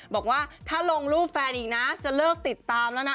บอกว่าถ้าลงรูปแฟนอีกนะจะเลิกติดตามแล้วนะ